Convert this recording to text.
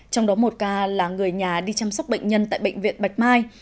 trong đó một ca là người nhà đi chăm sóc bệnh nhân tại bệnh viện bạch mai